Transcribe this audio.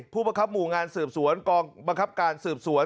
ผู้บังคับหมู่งานสืบสวนกองบังคับการสืบสวน